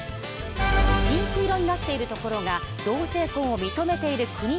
ピンク色になっているところが同性婚を認めている国と地域。